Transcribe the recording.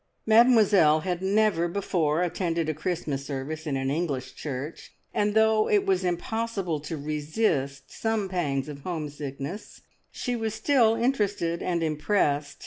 Mademoiselle had never before attended a Christmas service in an English church, and though it was impossible to resist some pangs of homesickness, she was still interested and impressed.